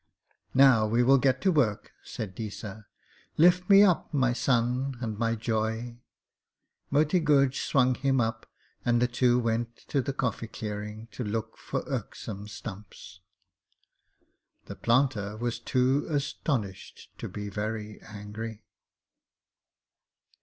'Now we will get to work,' said Deesa. 'Lift me up, my son and my joy.' Moti Guj swung him up and the two went to the coffee clearing to look for irksome stumps. The planter was too astonished to be very angry.